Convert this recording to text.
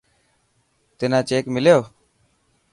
تنا چيڪ مليو.